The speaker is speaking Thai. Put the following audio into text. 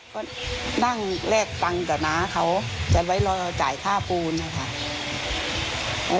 ก็นั่งแลกตังค์กับน้าเขาจะไว้รอจ่ายค่าปูนนะคะ